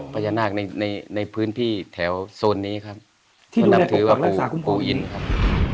อ๋อพญานาคในในในพื้นที่แถวโซนนี้ครับที่นำถือว่าปูอินครับ